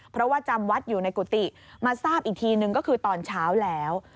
เพราะว่าจำวัดอยู่ในกุฏิมาทราบอีกทีนึงก็คือตอนเช้าแล้ว